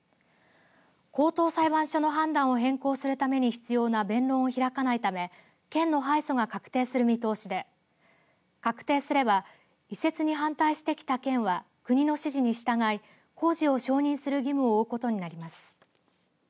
高等裁判所の判断を変更するために必要な弁論を開かないため県の敗訴が確定する見通しで確定すれば移設に反対してきた県は国の指示に従い工事を承認する義務を負うことになります。